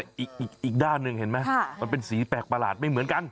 อีกด้านหนึ่งเห็นไหมมันเป็นสีแปลกประหลาดไม่เหมือนกัน